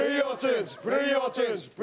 プレーヤーチェンジ。